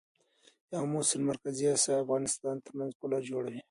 د امو سیند د مرکزي اسیا او افغانستان ترمنځ پوله جوړوي.